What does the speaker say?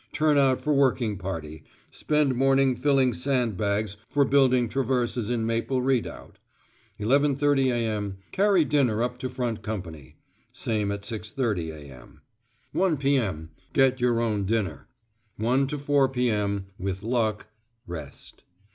Turn out for working party; spend morning filling sandbags for building traverses in Maple Redoubt. 11.30 a.m. Carry dinner up to front company. Same as 6.30 a.m. 1 p.m. Get your own dinner. 1 to 4 p.m. (With luck) rest.